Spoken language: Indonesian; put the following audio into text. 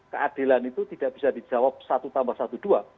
keadilan itu tidak bisa dijawab satu tambah satu dua